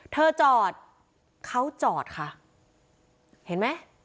จอดเขาจอดค่ะเห็นไหม